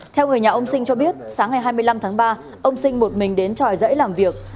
theo người nhà ông sinh cho biết sáng ngày hai mươi năm tháng ba ông sinh một mình đến tròi dãy làm việc